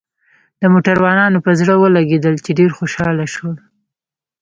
د موټروانانو په زړه ولګېدل، چې ډېر خوشاله شول.